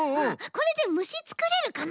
これでむしつくれるかな？